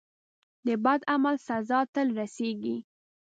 د بد عمل سزا تل رسیږي.